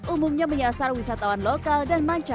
umumnya menyasar wisatawan lokal dan mancana